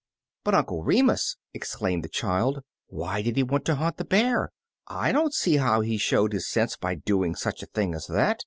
'' "But, Uncle Remus!" exclaimed the child, "why did he want to hunt the bear? I don't see how he showed his sense by doing such a thing as that.